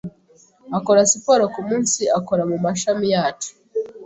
akora siporo kumunsi akora mumashami yacu